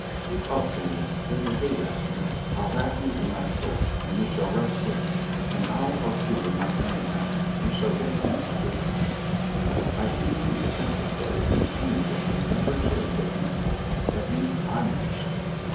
"Keep up, Phineas. There's a hayrick near. I'll wrap you in my coat, and you shall rest there: an hour or two will not matter now we shall get home by daybreak." I feebly assented; but it seemed to me that we never should get home at least I never should.